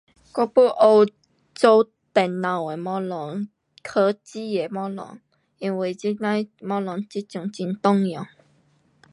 我要学做电脑的东西。科技的东西。因为这那的东西这阵会通用。